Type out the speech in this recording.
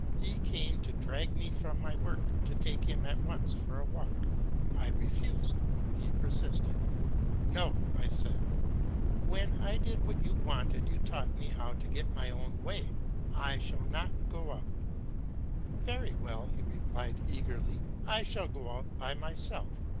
He came to drag me from my work, to take him at once for a walk. I refused; he persisted. "No," I said, "when I did what you wanted, you taught me how to get my own way; I shall not go out." "Very well," he replied eagerly, "I shall go out by myself."